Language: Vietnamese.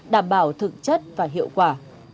để hiệu quả